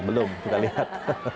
belum kita lihat